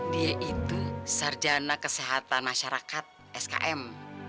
dia itu sarjana kesehatan masyarakat skm